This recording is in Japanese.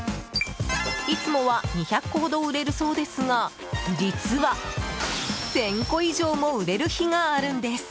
いつもは２００個ほど売れるそうですが実は、１０００個以上も売れる日があるんです。